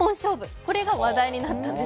これが話題になったんです。